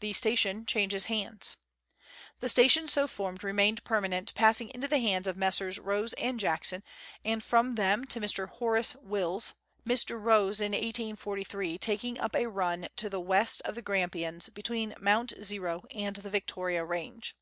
The Station changes hands. The station so formed remained permanent, passing into the hands of Messrs. Rose and Jackson, and from them to Mr. Horace Wills Mr. Rose, in 1843, taking up a run to the west of the Grampians, between Mount Zero and the Victoria Range.